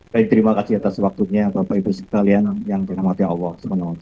baik terima kasih atas waktunya bapak ibu sekalian yang dirahmati allah swt